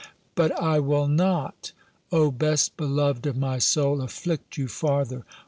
"But I will not, O best beloved of my soul, afflict you farther.